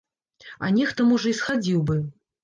А нехта, можа, і схадзіў бы.